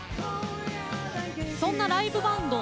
そんなライブバンド